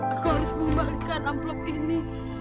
aku harus mengembalikan amplop ini